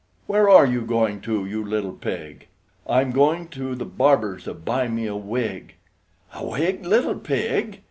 Where are you going to, you little pig? "I'm going to the Barber's to buy me a wig!" A wig, little pig!